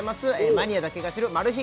マニアだけが知るマル秘